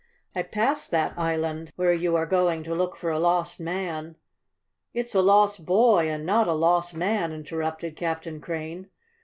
I passed that island, where you are going to look for a lost man " "It's a lost boy, and not a lost man," interrupted Captain Crane.